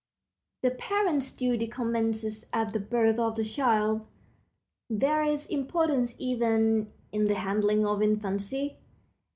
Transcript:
The parent's duty commences at the birth of the child. There is importance even in the handling of infancy.